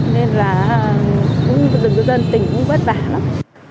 nên là dân tỉnh cũng vất vả lắm